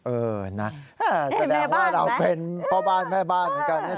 เออนะแสดงว่าเราเป็นพ่อบ้านแม่บ้านเหมือนกันนะ